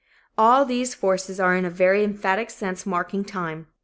All these forces are in a very emphatic sense marking time.